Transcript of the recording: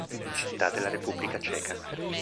Città della Repubblica Ceca